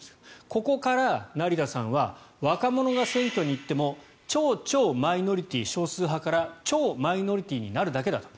ここから成田さんは若者が選挙に行っても超々マイノリティー・少数派から超マイノリティーになるだけだと。